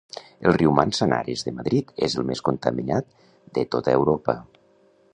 El riu Manzanares de Madrid és el més contaminat de tota Europa.